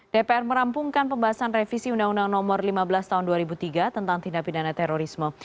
dpr merampungkan pembahasan revisi undang undang nomor lima belas tahun dua ribu tiga tentang tindak pidana terorisme